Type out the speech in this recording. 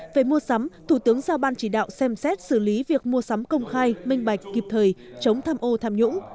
về mua sắm thủ tướng giao ban chỉ đạo xem xét xử lý việc mua sắm công khai minh bạch kịp thời chống tham ô tham nhũng